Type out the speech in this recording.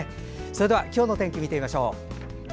それでは今日の天気を見てみましょう。